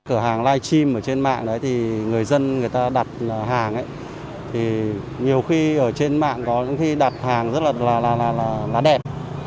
ở hàng livestream trên mạng người dân đặt hàng nhiều khi trên mạng đặt hàng rất là đẹp